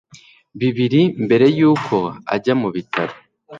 bibiri mbere yuko ajya mubitaro